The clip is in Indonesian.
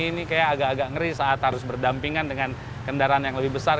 ini kayak agak agak ngeri saat harus berdampingan dengan kendaraan yang lebih besar